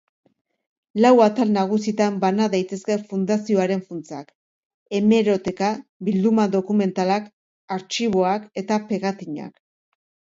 Lau atal nagusitan bana daitezke fundazioaren funtsak: hemeroteka, bilduma dokumentalak, artxiboak eta pegatinak.